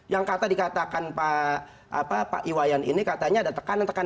yang dikatakan pak iwayan ini katanya ada tekanan tekan dari mana